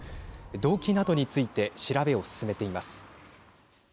動機などについて調べを進めています。